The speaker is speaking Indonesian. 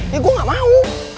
ya gue gak mau